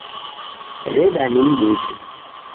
Reda nimduke